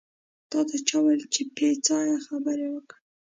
تاته چا وېل چې پې ځایه خبرې وکړه.